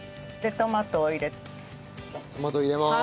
トマト入れまーす。